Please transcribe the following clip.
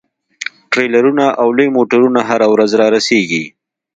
ټریلرونه او لوی موټرونه هره ورځ رارسیږي